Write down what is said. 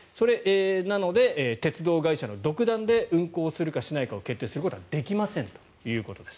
なので、鉄道会社の独断で運行するかしないかを決定することはできませんということです。